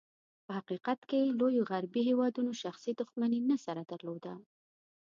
په حقیقت کې، لوېو غربي هېوادونو شخصي دښمني نه سره درلوده.